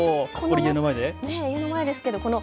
家の前ですかね。